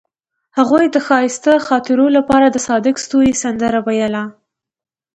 هغې د ښایسته خاطرو لپاره د صادق ستوري سندره ویله.